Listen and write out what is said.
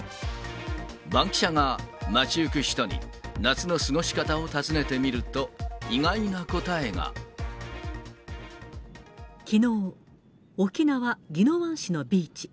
バンキシャが街行く人に、夏の過ごし方を尋ねてみると、意外な答きのう、沖縄・宜野湾市のビーチ。